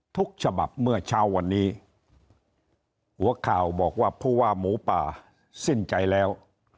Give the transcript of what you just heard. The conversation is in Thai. ทุกฉบับเมื่อเช้าวันนี้หัวข่าวบอกว่าผู้ว่าหมูป่าสิ้นใจแล้ว